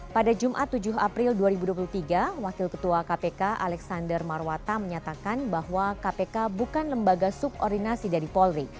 pada jumat tujuh april dua ribu dua puluh tiga wakil ketua kpk alexander marwata menyatakan bahwa kpk bukan lembaga subordinasi dari polri